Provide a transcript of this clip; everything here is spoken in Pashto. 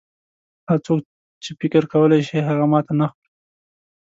هغه څوک چې فکر کولای شي هغه ماته نه خوري.